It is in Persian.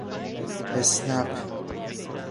اسنپ